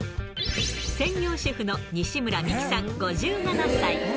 専業主婦の西村みきさん５７歳。